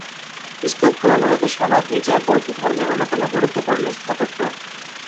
স্তূপ হলো মূলত সমাধি, যা বৌদ্ধধর্মের অন্যতম গুরুত্বপূর্ণ স্থাপত্য।